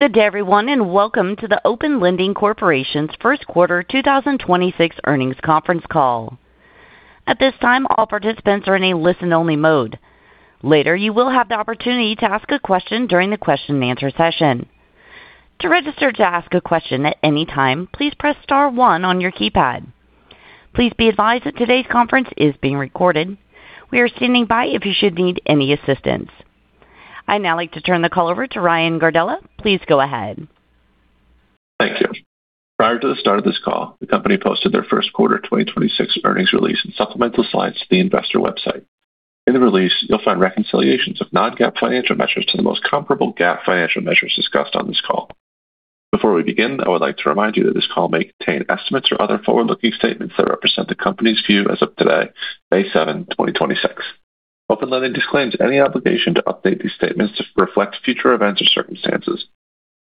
Good day everyone, and welcome to the Open Lending Corporation's first quarter 2026 earnings conference call, at this time all participants are in a listen only mode, later you will have the opportunity to ask a question during the question-and-answer session, to register to ask a question at anytime please press star one on your keypad. Please be advised that today's conference is being recorded we are standing by if you should need any assistance. I'd now like to turn the call over to Ryan Gardella. Please go ahead. Thank you. Prior to the start of this call, the company posted their first quarter 2026 earnings release and supplemental slides to the investor website. In the release, you'll find reconciliations of non-GAAP financial measures to the most comparable GAAP financial measures discussed on this call. Before we begin, I would like to remind you that this call may contain estimates or other forward-looking statements that represent the company's view as of today, May 7, 2026. Open Lending disclaims any obligation to update these statements to reflect future events or circumstances.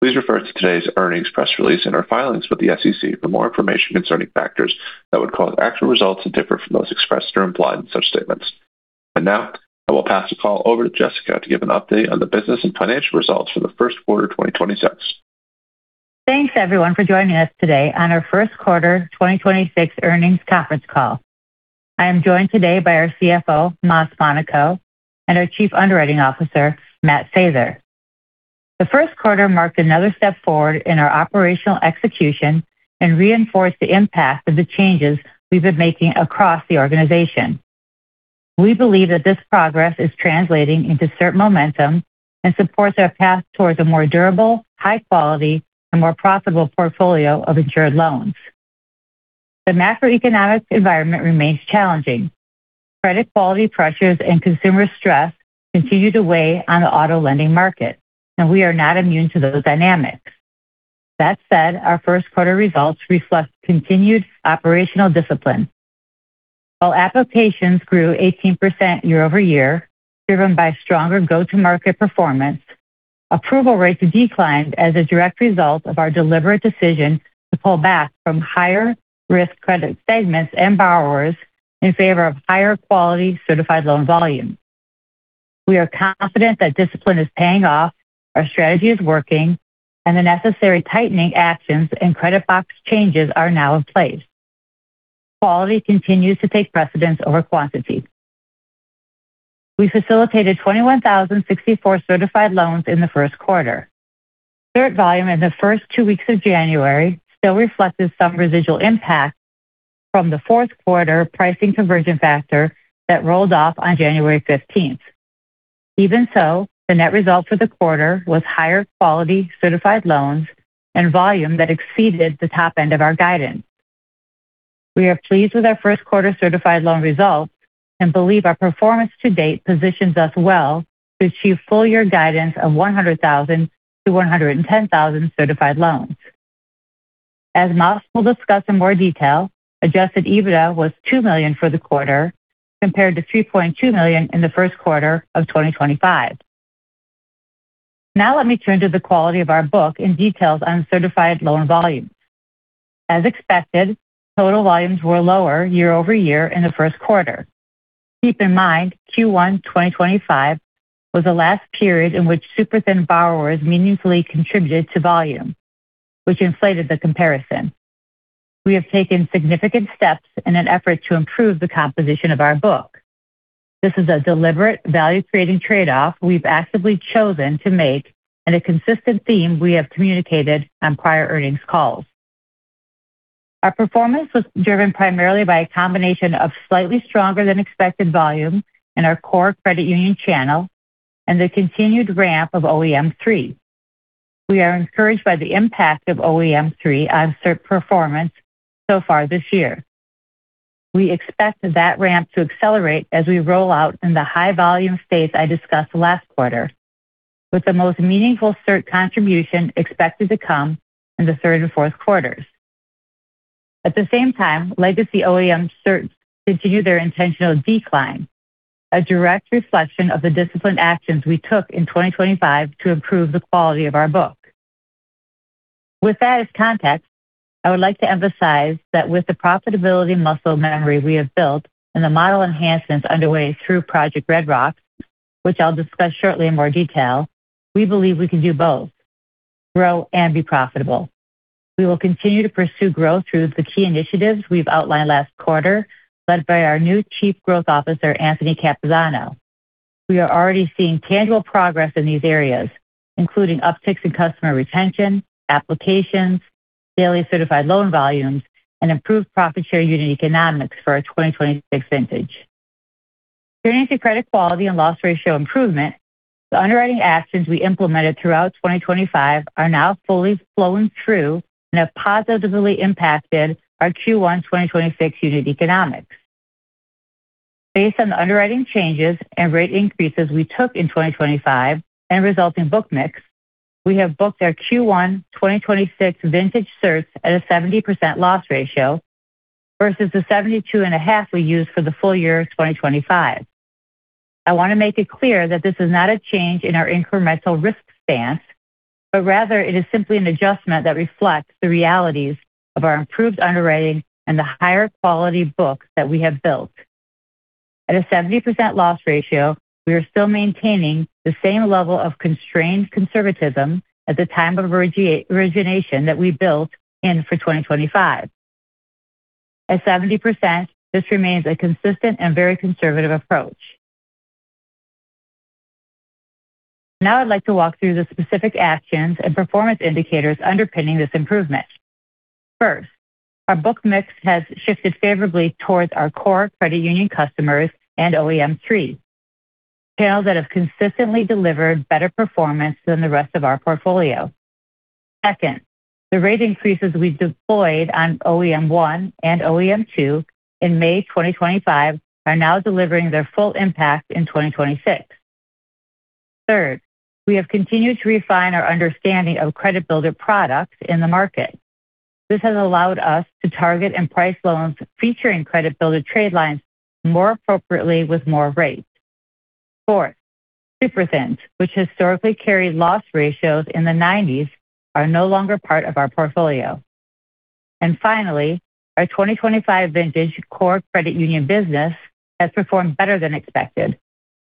Please refer to today's earnings press release in our filings with the SEC for more information concerning factors that would cause actual results to differ from those expressed or implied in such statements. Now, I will pass the call over to Jessica to give an update on the business and financial results for the first quarter 2026. Thanks everyone for joining us today on our first quarter 2026 earnings conference call. I am joined today by our CFO, Mas Monaco, and our Chief Underwriting Officer, Matt Sather. The first quarter marked another step forward in our operational execution and reinforced the impact of the changes we've been making across the organization. We believe that this progress is translating into certain momentum and supports our path towards a more durable, high quality, and more profitable portfolio of insured loans. The macroeconomic environment remains challenging. Credit quality pressures and consumer stress continue to weigh on the auto lending market, and we are not immune to those dynamics. That said, our first quarter results reflect continued operational discipline. While applications grew 18% year-over-year, driven by stronger go-to-market performance, approval rates declined as a direct result of our deliberate decision to pull back from higher-risk credit segments and borrowers in favor of higher quality certified loan volume. We are confident that discipline is paying off, our strategy is working, and the necessary tightening actions and credit box changes are now in place. Quality continues to take precedence over quantity. We facilitated 21,064 certified loans in the first quarter. Cert volume in the first two weeks of January still reflected some residual impact from the fourth quarter pricing conversion factor that rolled off on January 15th. Even so, the net result for the quarter was higher quality certified loans and volume that exceeded the top end of our guidance. We are pleased with our first quarter certified loan results and believe our performance to date positions us well to achieve full year guidance of 100,000-110,000 certified loans. As Mas will discuss in more detail, adjusted EBITDA was $2 million for the quarter, compared to $3.2 million in the first quarter of 2025. Let me turn to the quality of our book and details on certified loan volume as expected total volumes were lower year-over-year in the first quarter. Keep in mind, Q1 2025 was the last period in which super thin borrowers meaningfully contributed to volume, which inflated the comparison. We have taken significant steps in an effort to improve the composition of our book. This is a deliberate value-creating trade-off we've actively chosen to make and a consistent theme we have communicated on prior earnings calls. Our performance was driven primarily by a combination of slightly stronger than expected volume in our core credit union channel and the continued ramp of OEM 3. We are encouraged by the impact of OEM 3 on cert performance so far this year. We expect that ramp to accelerate as we roll out in the high volume states I discussed last quarter, with the most meaningful cert contribution expected to come in the third and fourth quarters. At the same time, legacy OEM certs continue their intentional decline, a direct reflection of the disciplined actions we took in 2025 to improve the quality of our book. With that as context, I would like to emphasize that with the profitability muscle memory we have built and the model enhancements underway through Project Red Rocks, which I'll discuss shortly in more detail, we believe we can do both grow and be profitable. We will continue to pursue growth through the key initiatives we've outlined last quarter, led by our new Chief Growth Officer, Anthony Capizzano. We are already seeing tangible progress in these areas, including upticks in customer retention, applications, daily certified loan volumes, and improved profit share unit economics for our 2026 vintage. Turning to credit quality and loss ratio improvement, the underwriting actions we implemented throughout 2025 are now fully flowing through and have positively impacted our Q1 2026 unit economics. Based on the underwriting changes and rate increases we took in 2025 and resulting book mix, we have booked our Q1 2026 vintage certs at a 70% loss ratio versus the 72.5% we used for the full year of 2025. I want to make it clear that this is not a change in our incremental risk stance, but rather it is simply an adjustment that reflects the realities of our improved underwriting and the higher quality books that we have built. At a 70% loss ratio, we are still maintaining the same level of constrained conservatism at the time of origination that we built in for 2025. At 70%, this remains a consistent and very conservative approach. Now I'd like to walk through the specific actions and performance indicators underpinning this improvement. First, our book mix has shifted favorably towards our core credit union customers and OEM 3, sales that have consistently delivered better performance than the rest of our portfolio. Second, the rate increases we've deployed on OEM 1 and OEM 2 in May 2025 are now delivering their full impact in 2026. Third, we have continued to refine our understanding of credit builder products in the market. This has allowed us to target and price loans featuring credit builder trade lines more appropriately with more rates. Fourth, Super thin, which historically carried loss ratios in the 90s, are no longer part of our portfolio. Finally, our 2025 vintage core credit union business has performed better than expected,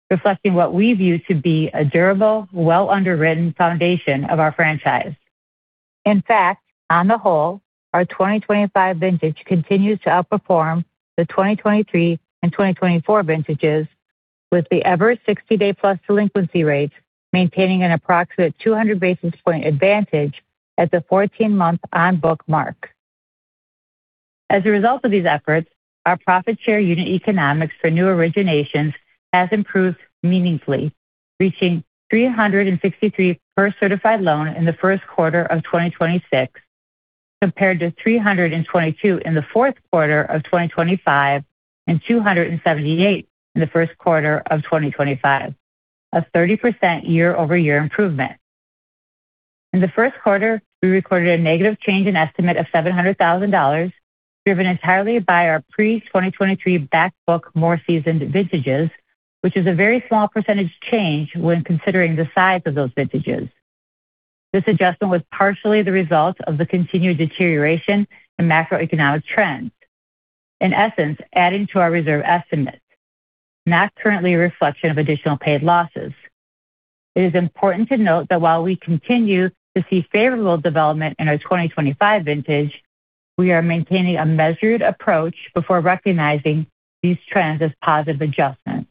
reflecting what we view to be a durable, well-underwritten foundation of our franchise. In fact, on the whole, our 2025 vintage continues to outperform the 2023 and 2024 vintages, with the ever 60-day plus delinquency rates maintaining an approximate 200 basis point advantage at the 14-month on-book mark. As a result of these efforts, our profit share unit economics for new originations has improved meaningfully, reaching $363 per certified loan in the first quarter of 2026, compared to $322 in the fourth quarter of 2025 and $278 in the first quarter of 2025. A 30% year-over-year improvement. In the first quarter, we recorded a negative change in estimate of $700,000, driven entirely by our pre-2023 back book more seasoned vintages, which is a very small percentage change when considering the size of those vintages. This adjustment was partially the result of the continued deterioration in macroeconomic trends. In essence, adding to our reserve estimate, not currently a reflection of additional paid losses. It is important to note that while we continue to see favorable development in our 2025 vintage, we are maintaining a measured approach before recognizing these trends as positive adjustments.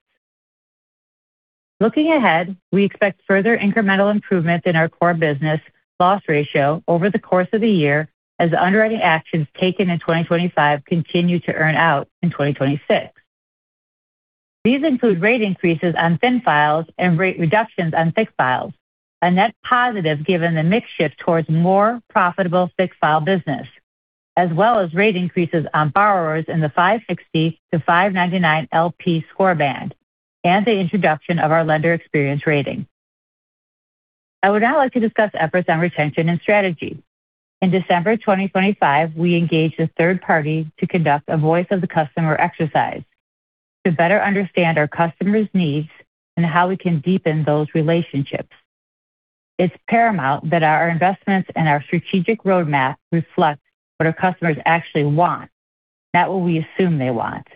Looking ahead, we expect further incremental improvement in our core business loss ratio over the course of the year as underwriting actions taken in 2025 continue to earn out in 2026. These include rate increases on thin files and rate reductions on thick files, a net positive given the mix shift towards more profitable thick file business, as well as rate increases on borrowers in the 560-599 LP Score band and the introduction of our lender experience rating. I would now like to discuss efforts on retention and strategy. In December 2025, we engaged a third party to conduct a voice of the customer exercise to better understand our customers' needs and how we can deepen those relationships. It's paramount that our investments and our strategic roadmap reflect what our customers actually want, not what we assume they want.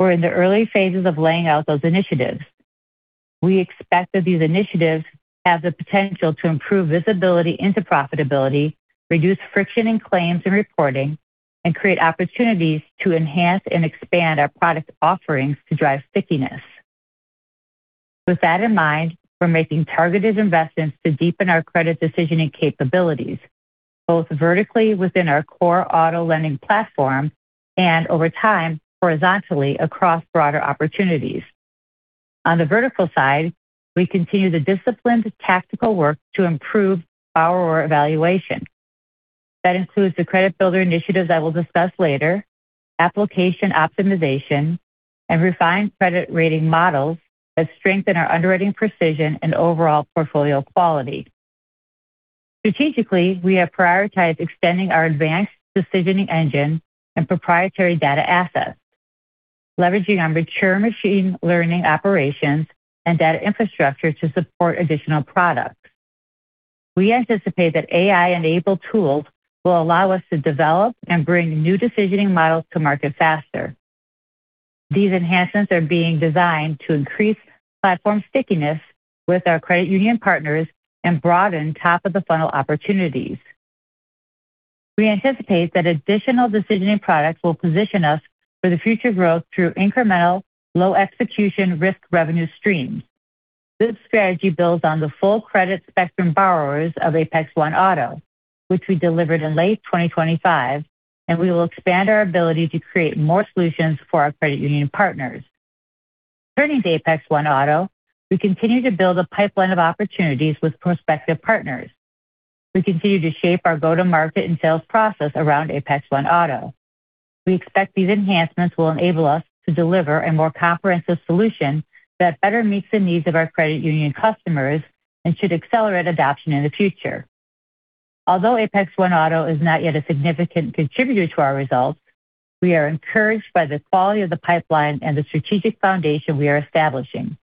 We're in the early phases of laying out those initiatives. We expect that these initiatives have the potential to improve visibility into profitability, reduce friction in claims and reporting, and create opportunities to enhance and expand our product offerings to drive stickiness. With that in mind, we're making targeted investments to deepen our credit decisioning capabilities, both vertically within our core auto lending platform and over time, horizontally across broader opportunities. On the vertical side, we continue the disciplined tactical work to improve borrower evaluation. That includes the credit builder initiatives I will discuss later, application optimization, and refined credit rating models that strengthen our underwriting precision and overall portfolio quality. Strategically, we have prioritized extending our advanced decisioning engine and proprietary data assets, leveraging our mature machine learning operations and data infrastructure to support additional products. We anticipate that AI-enabled tools will allow us to develop and bring new decisioning models to market faster. These enhancements are being designed to increase platform stickiness with our credit union partners and broaden top-of-the-funnel opportunities. We anticipate that additional decisioning products will position us for the future growth through incremental low execution risk revenue streams. This strategy builds on the full credit spectrum borrowers of ApexOne Auto, which we delivered in late 2025, and we will expand our ability to create more solutions for our credit union partners. Turning to ApexOne Auto, we continue to build a pipeline of opportunities with prospective partners. We continue to shape our go-to-market and sales process around ApexOne Auto. We expect these enhancements will enable us to deliver a more comprehensive solution that better meets the needs of our credit union customers and should accelerate adoption in the future. Although ApexOne Auto is not yet a significant contributor to our results, we are encouraged by the quality of the pipeline and the strategic foundation we are establishing.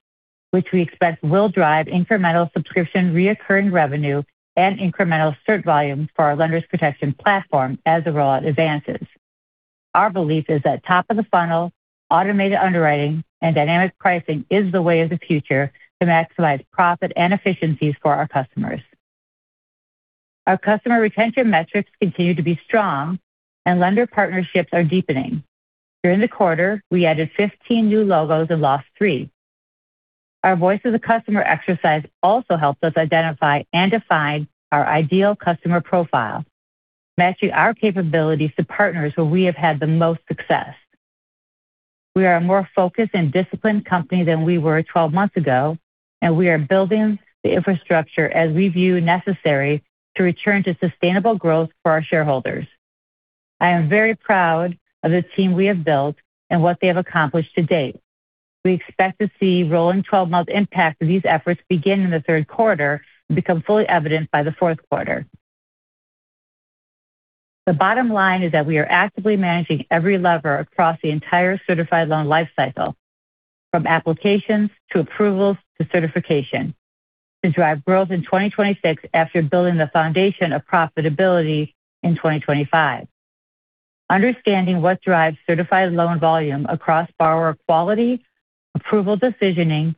Which we expect will drive incremental subscription reoccurring revenue and incremental cert volumes for our Lenders Protection platform as the rollout advances. Our belief is that top of the funnel automated underwriting and dynamic pricing is the way of the future to maximize profit and efficiencies for our customers. Our customer retention metrics continue to be strong and lender partnerships are deepening. During the quarter, we added 15 new logos and lost three. Our voice of the customer exercise also helps us identify and define our ideal customer profile, matching our capabilities to partners where we have had the most success. We are a more focused and disciplined company than we were 12 months ago, and we are building the infrastructure as we view necessary to return to sustainable growth for our shareholders. I am very proud of the team we have built and what they have accomplished to date. We expect to see rolling 12-month impact of these efforts begin in the third quarter and become fully evidenced by the fourth quarter. The bottom line is that we are actively managing every lever across the entire certified loan lifecycle, from applications to approvals to certification, to drive growth in 2026 after building the foundation of profitability in 2025. Understanding what drives certified loan volume across borrower quality, approval decisioning,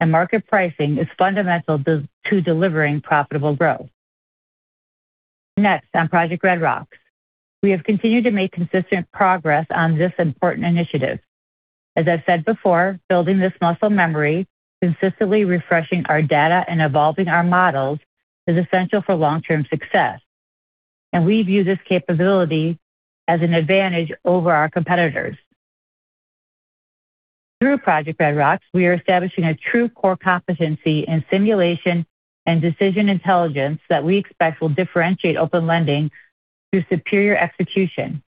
and market pricing is fundamental to delivering profitable growth. Next on Project Red Rocks. We have continued to make consistent progress on this important initiative. As I've said before, building this muscle memory, consistently refreshing our data and evolving our models is essential for long-term success, and we view this capability as an advantage over our competitors. Through Project Red Rocks, we are establishing a true core competency in simulation and decision intelligence that we expect will differentiate Open Lending through superior execution.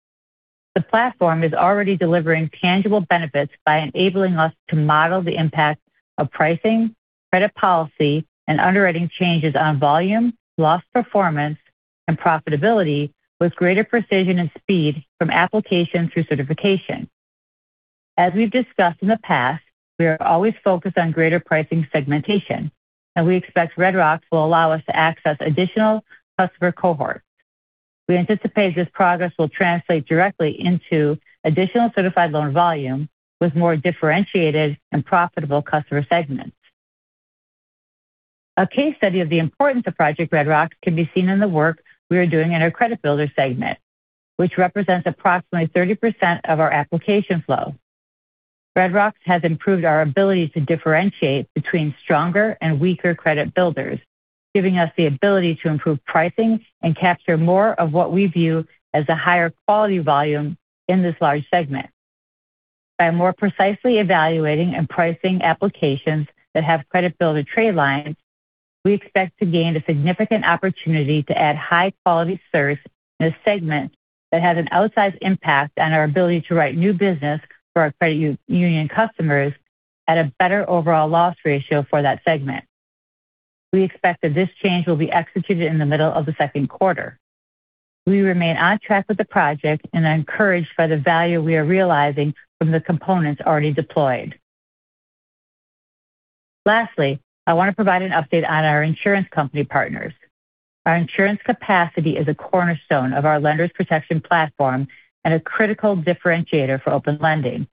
The platform is already delivering tangible benefits by enabling us to model the impact of pricing, credit policy, and underwriting changes on volume, loss performance, and profitability with greater precision and speed from application through certification. As we've discussed in the past, we are always focused on greater pricing segmentation. We expect Red Rocks will allow us to access additional customer cohorts. We anticipate this progress will translate directly into additional certified loan volume with more differentiated and profitable customer segments. A case study of the importance of Project Red Rocks can be seen in the work we are doing in our credit builder segment, which represents approximately 30% of our application flow. Red Rocks has improved our ability to differentiate between stronger and weaker credit builders, giving us the ability to improve pricing and capture more of what we view as a higher quality volume in this large segment. By more precisely evaluating and pricing applications that have credit builder trade lines, we expect to gain a significant opportunity to add high-quality certs in a segment that has an outsized impact on our ability to write new business for our credit union customers at a better overall loss ratio for that segment. We expect that this change will be executed in the middle of the second quarter. We remain on track with the project and are encouraged by the value we are realizing from the components already deployed. Lastly, I want to provide an update on our insurance company partners. Our insurance capacity is a cornerstone of our Lenders Protection platform and a critical differentiator for Open Lending,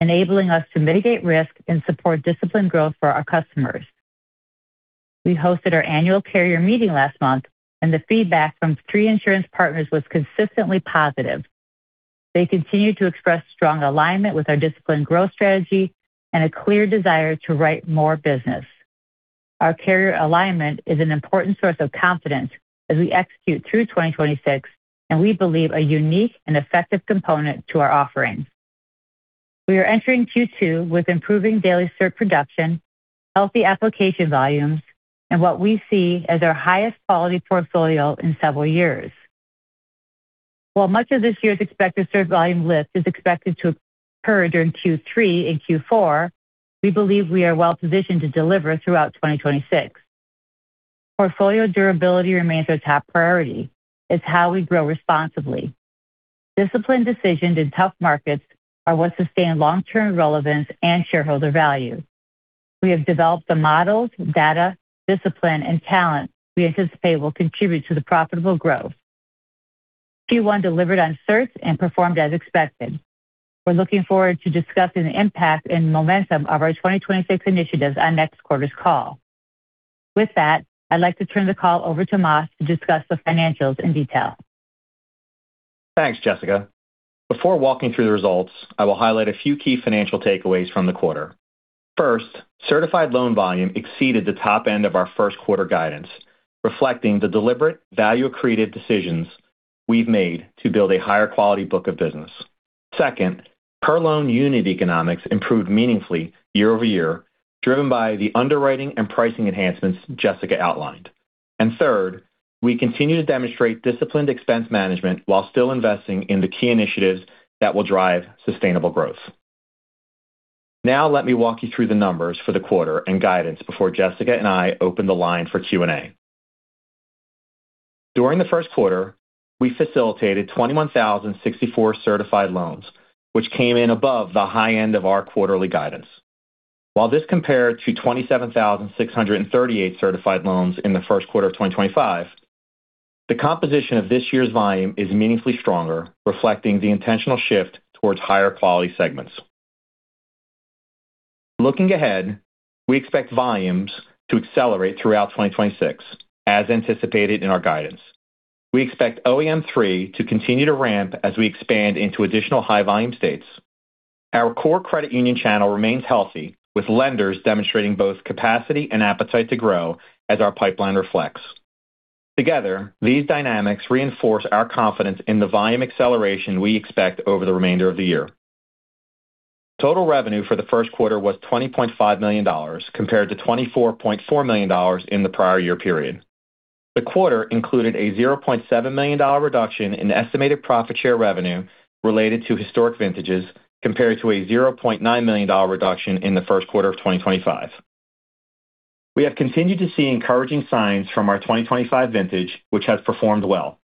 enabling us to mitigate risk and support disciplined growth for our customers. We hosted our annual carrier meeting last month, and the feedback from three insurance partners was consistently positive. They continue to express strong alignment with our disciplined growth strategy and a clear desire to write more business. Our carrier alignment is an important source of confidence as we execute through 2026, and we believe a unique and effective component to our offering. We are entering Q2 with improving daily cert production, healthy application volumes, and what we see as our highest quality portfolio in several years. While much of this year's expected cert volume lift is expected to occur during Q3 and Q4, we believe we are well positioned to deliver throughout 2026. Portfolio durability remains our top priority. It's how we grow responsibly. Disciplined decisions in tough markets are what sustain long-term relevance and shareholder value. We have developed the models, data, discipline, and talent we anticipate will contribute to the profitable growth. Q1 delivered on certs and performed as expected. We're looking forward to discussing the impact and momentum of our 2026 initiatives on next quarter's call. With that, I'd like to turn the call over to Mas to discuss the financials in detail. Thanks, Jessica. Before walking through the results, I will highlight a few key financial takeaways from the quarter. First, certified loan volume exceeded the top end of our first quarter guidance, reflecting the deliberate value-accreted decisions we've made to build a higher quality book of business. Second, per loan unit economics improved meaningfully year-over-year, driven by the underwriting and pricing enhancements Jessica outlined. Third, we continue to demonstrate disciplined expense management while still investing in the key initiatives that will drive sustainable growth. Now let me walk you through the numbers for the quarter and guidance before Jessica and I open the line for Q&A. During the first quarter, we facilitated 21,064 certified loans, which came in above the high end of our quarterly guidance. While this compared to 27,638 certified loans in the first quarter of 2025, the composition of this year's volume is meaningfully stronger, reflecting the intentional shift towards higher quality segments. Looking ahead, we expect volumes to accelerate throughout 2026, as anticipated in our guidance. We expect OEM 3 to continue to ramp as we expand into additional high-volume states. Our core credit union channel remains healthy, with lenders demonstrating both capacity and appetite to grow as our pipeline reflects. Together, these dynamics reinforce our confidence in the volume acceleration we expect over the remainder of the year. Total revenue for the first quarter was $20.5 million compared to $24.4 million in the prior year period. The quarter included a $0.7 million reduction in estimated profit share revenue related to historic vintages compared to a $0.9 million reduction in the first quarter of 2025. We have continued to see encouraging signs from our 2025 vintage, which has performed well.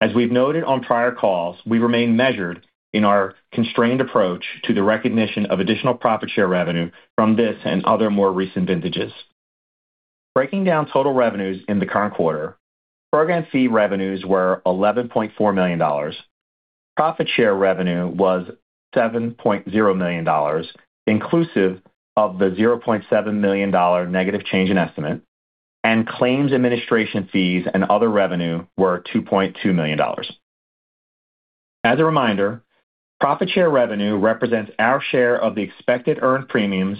As we've noted on prior calls, we remain measured in our constrained approach to the recognition of additional profit share revenue from this and other more recent vintages. Breaking down total revenues in the current quarter, program fee revenues were $11.4 million. Profit share revenue was $7.0 million, inclusive of the $0.7 million negative change in estimate, and claims administration fees and other revenue were $2.2 million. As a reminder, profit share revenue represents our share of the expected earned premiums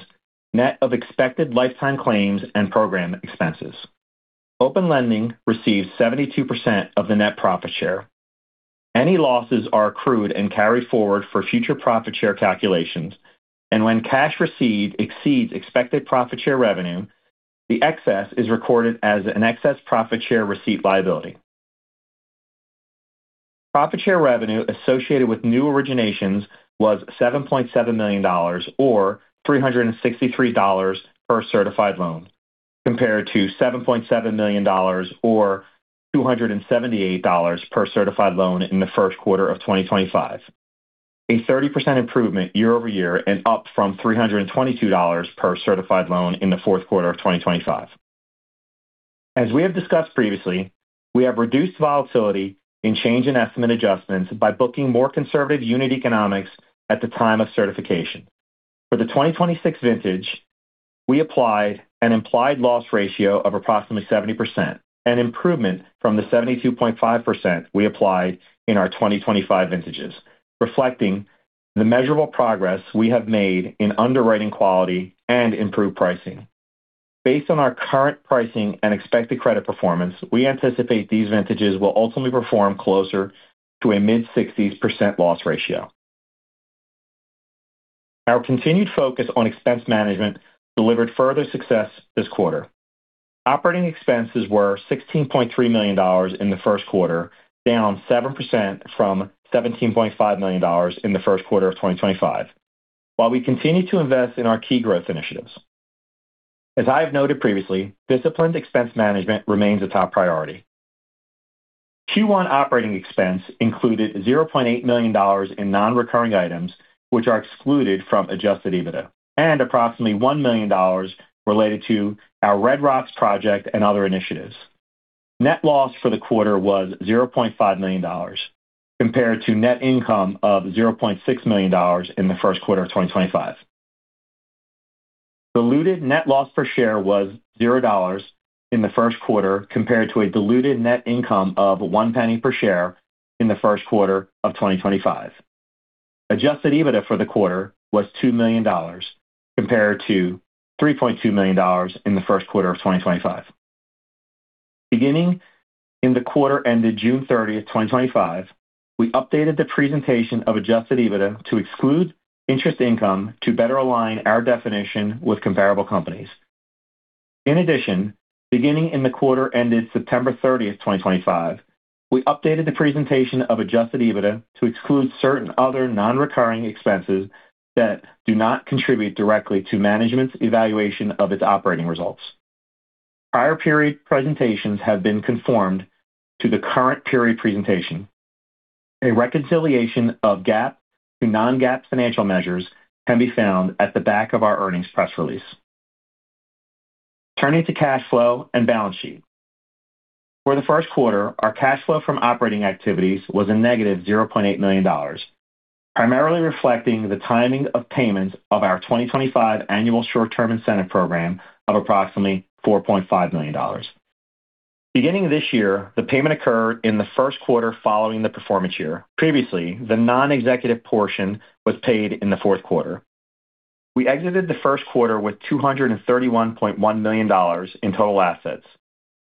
net of expected lifetime claims and program expenses. Open Lending receives 72% of the net profit share. Any losses are accrued and carried forward for future profit share calculations. When cash received exceeds expected profit share revenue, the excess is recorded as an excess profit share receipt liability. Profit share revenue associated with new originations was $7.7 million or $363 per certified loan compared to $7.7 million or $278 per certified loan in the first quarter of 2025. A 30% improvement year-over-year and up from $322 per certified loan in the fourth quarter of 2025. As we have discussed previously, we have reduced volatility in change in estimate adjustments by booking more conservative unit economics at the time of certification. For the 2026 vintage, we applied an implied loss ratio of approximately 70%, an improvement from the 72.5% we applied in our 2025 vintages, reflecting the measurable progress we have made in underwriting quality and improved pricing. Based on our current pricing and expected credit performance, we anticipate these vintages will ultimately perform closer to a mid-60s% loss ratio. Our continued focus on expense management delivered further success this quarter. Operating expenses were $16.3 million in the first quarter, down 7% from $17.5 million in the first quarter of 2025. While we continue to invest in our key growth initiatives. As I have noted previously, disciplined expense management remains a top priority. Q1 operating expense included $0.8 million in non-recurring items, which are excluded from adjusted EBITDA and approximately $1 million related to our Red Rocks project and other initiatives. Net loss for the quarter was $0.5 million compared to net income of $0.6 million in the first quarter of 2025. Diluted net loss per share was $0 in the first quarter compared to a diluted net income of $0.01 per share in the first quarter of 2025. Adjusted EBITDA for the quarter was $2 million compared to $3.2 million in the first quarter of 2025. Beginning in the quarter ended June 30th, 2025, we updated the presentation of adjusted EBITDA to exclude interest income to better align our definition with comparable companies. In addition, beginning in the quarter ended September 30th, 2025, we updated the presentation of adjusted EBITDA to exclude certain other non-recurring expenses that do not contribute directly to management's evaluation of its operating results. Prior period presentations have been conformed to the current period presentation. A reconciliation of GAAP to non-GAAP financial measures can be found at the back of our earnings press release. Turning to cash flow and balance sheet. For the first quarter, our cash flow from operating activities was a negative $0.8 million, primarily reflecting the timing of payments of our 2025 annual short-term incentive program of approximately $4.5 million. Beginning this year, the payment occurred in the first quarter following the performance year. Previously, the non-executive portion was paid in the fourth quarter. We exited the first quarter with $231.1 million in total assets,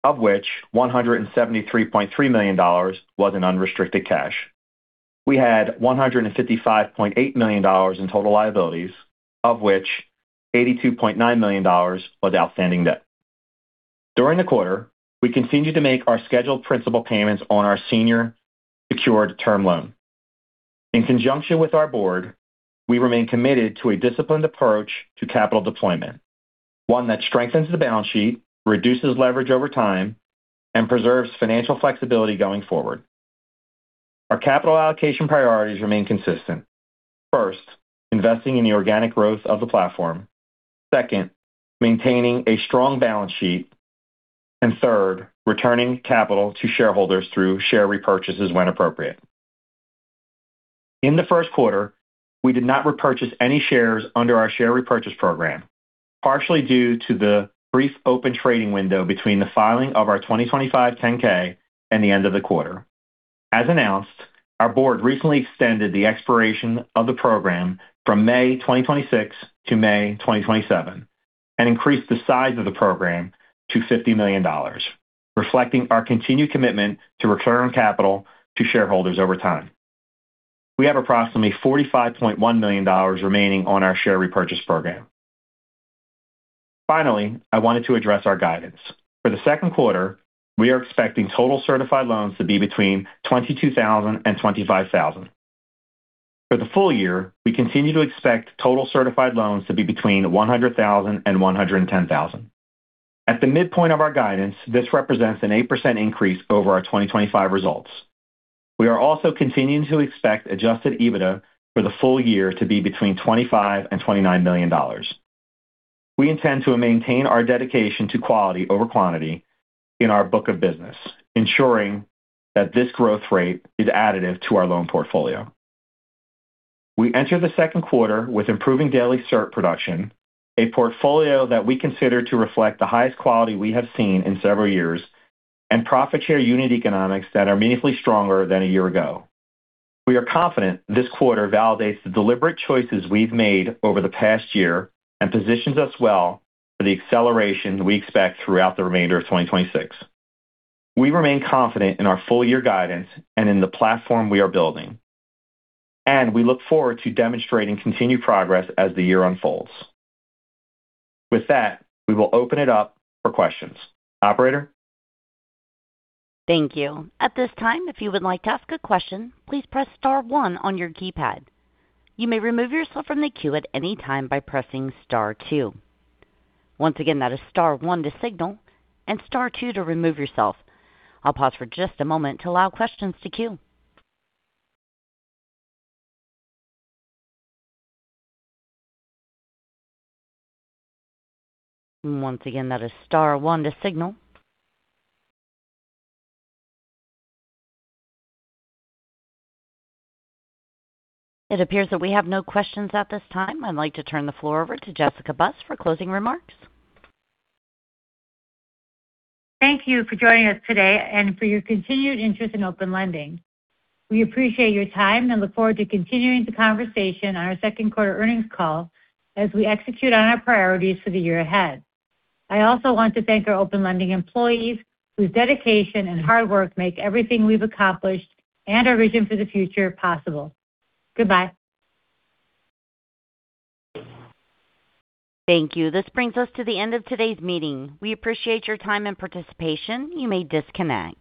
of which $173.3 million was in unrestricted cash. We had $155.8 million in total liabilities, of which $82.9 million was outstanding debt. During the quarter, we continued to make our scheduled principal payments on our senior secured term loan. In conjunction with our board, we remain committed to a disciplined approach to capital deployment. One that strengthens the balance sheet, reduces leverage over time, and preserves financial flexibility going forward. Our capital allocation priorities remain consistent. First, investing in the organic growth of the platform. Second, maintaining a strong balance sheet. Third, returning capital to shareholders through share repurchases when appropriate. In the first quarter, we did not repurchase any shares under our share repurchase program, partially due to the brief open trading window between the filing of our 2025 10-K and the end of the quarter. As announced, our board recently extended the expiration of the program from May 2026 to May 2027 and increased the size of the program to $50 million, reflecting our continued commitment to return capital to shareholders over time. We have approximately $45.1 million remaining on our share repurchase program. Finally, I wanted to address our guidance. For the second quarter, we are expecting total certified loans to be between 22,000 and 25,000. For the full year, we continue to expect total certified loans to be between 100,000 and 110,000. At the midpoint of our guidance, this represents an 8% increase over our 2025 results. We are also continuing to expect adjusted EBITDA for the full year to be between $25 million and $29 million. We intend to maintain our dedication to quality over quantity in our book of business, ensuring that this growth rate is additive to our loan portfolio. We enter the second quarter with improving daily cert production, a portfolio that we consider to reflect the highest quality we have seen in several years, and profit share unit economics that are meaningfully stronger than a year ago. We are confident this quarter validates the deliberate choices we've made over the past year and positions us well for the acceleration we expect throughout the remainder of 2026. We remain confident in our full year guidance and in the platform we are building. We look forward to demonstrating continued progress as the year unfolds. With that, we will open it up for questions. Operator? Thank you. At this time, if you would like to ask a question, please press star one on your keypad. You may remove yourself from the queue at any time by pressing star two. Once again, that is star one to signal and star two to remove yourself. I'll pause for just a moment to allow questions to queue. Once again, that is star one to signal. It appears that we have no questions at this time. I'd like to turn the floor over to Jessica Buss for closing remarks. Thank you for joining us today and for your continued interest in Open Lending. We appreciate your time and look forward to continuing the conversation on our second quarter earnings call as we execute on our priorities for the year ahead. I also want to thank our Open Lending employees whose dedication and hard work make everything we've accomplished and our vision for the future possible. Goodbye. Thank you. This brings us to the end of today's meeting. We appreciate your time and participation. You may disconnect.